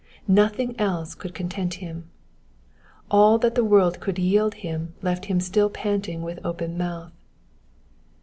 Nothing else could content him. All that the world could yield him left him still panting with open mouth.